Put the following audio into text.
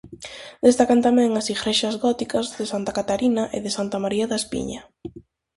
Destacan tamén as igrexas góticas de Santa Catarina e de Santa María da Espiña.